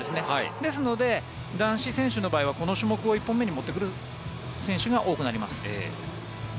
なので、男子選手の場合はこの種目を１本目に持ってくる選手が多くなります。